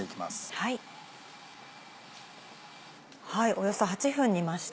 およそ８分煮ました。